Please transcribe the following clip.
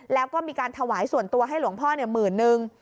แล้วก็มีการถวายส่วนตัวให้หลวงพ่อหมื่นนึง